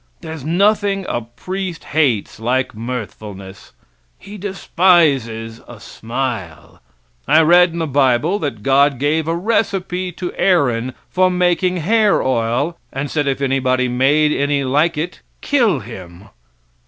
There's nothing a priest hates like mirthfulness. He despises a smile. I read in the bible that God gave a recipe to Aaron for making hair oil and said if anybody made any like it, kill him.